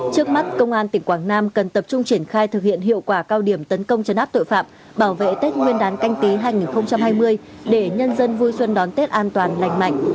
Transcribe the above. trước mắt công an tỉnh quảng nam cần tập trung triển khai thực hiện hiệu quả cao điểm tấn công chấn áp tội phạm bảo vệ tết nguyên đán canh tí hai nghìn hai mươi để nhân dân vui xuân đón tết an toàn lành mạnh